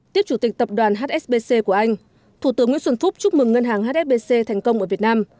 tiếp chủ tịch tập đoàn hsbc của anh thủ tướng nguyễn xuân phúc chúc mừng ngân hàng hsbc thành công ở việt nam